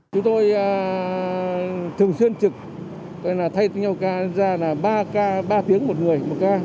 chúng tôi thường xuyên trực thay nhau ca ra ba tiếng một người